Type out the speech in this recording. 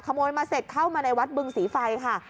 ขโมยมาเสร็จเข้ามาในวัดบึงศรีไฟค่ะ